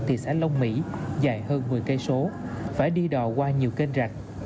thị xã long mỹ dài hơn một mươi km phải đi đò qua nhiều kênh rạch